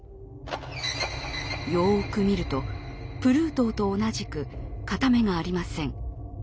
よく見るとプルートーと同じく片目がありません。